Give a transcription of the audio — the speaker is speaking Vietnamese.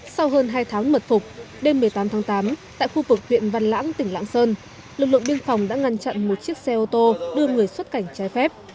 sau hơn hai tháng mật phục đêm một mươi tám tháng tám tại khu vực huyện văn lãng tỉnh lạng sơn lực lượng biên phòng đã ngăn chặn một chiếc xe ô tô đưa người xuất cảnh trái phép